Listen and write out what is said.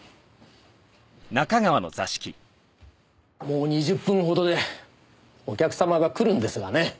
もう２０分ほどでお客様が来るんですがね。